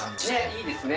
いいですね。